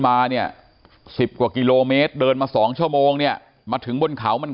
มาเนี่ย๑๐กว่ากิโลเมตรเดินมา๒ชั่วโมงเนี่ยมาถึงบนเขามัน